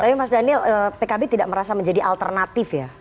tapi mas daniel pkb tidak merasa menjadi alternatif ya